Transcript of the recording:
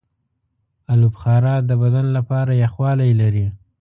آلوبخارا د بدن لپاره یخوالی لري.